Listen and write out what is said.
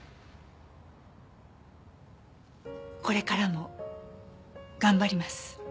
これからも頑張ります。